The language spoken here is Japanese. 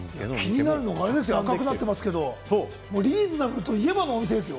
気になるのが赤くなってますけれども、リーズナブルと言えばのお店ですよ。